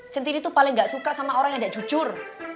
centini tuh paling gak suka sama orang yang gak jujur